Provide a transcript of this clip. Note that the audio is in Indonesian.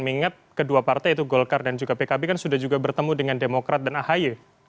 mengingat kedua partai itu golkar dan juga pkb kan sudah juga bertemu dengan demokrat dan ahy